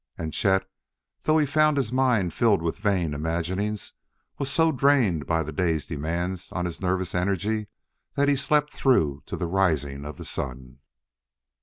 And Chet, though he found his mind filled with vain imaginings, was so drained by the day's demands on his nervous energy that he slept through to the rising of the sun.